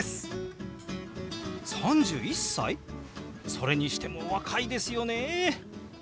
それにしてもお若いですよね。